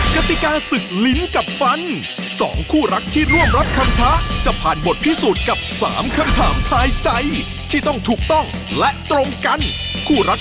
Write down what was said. แล้วแน่นอนนะครับวันนี้นะครับ